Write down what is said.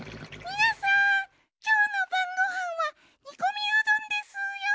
みなさんきょうのばんごはんはにこみうどんですよ。